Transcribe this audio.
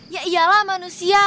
ya iyalah manusia